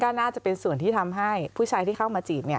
ก็น่าจะเป็นส่วนที่ทำให้ผู้ชายที่เข้ามาจีบ